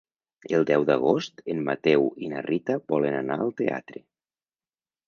El deu d'agost en Mateu i na Rita volen anar al teatre.